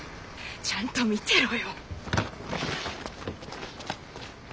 ちゃんと見てろよ。